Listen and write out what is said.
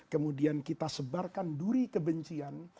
kemudian kita sebarkan duri kebencian